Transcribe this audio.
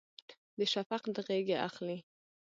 د شفق د غیږې اخلي